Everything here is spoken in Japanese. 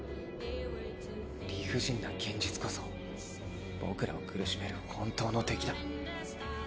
理不尽な現実こそ僕らを苦しめる本当の敵だ。